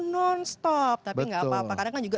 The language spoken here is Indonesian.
non stop tapi nggak apa apa karena kan juga